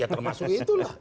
ya termasuk itu lah